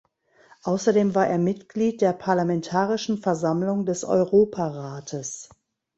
Außerdem war er Mitglied der Parlamentarischen Versammlung des Europarates.